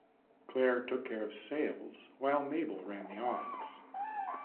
Clair took care of sales while Mabel ran the office.